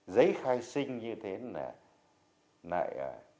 giấy khai sinh như thế này